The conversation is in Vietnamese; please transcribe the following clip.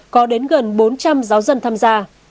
có đến gần bốn trăm linh giáo dân tham gia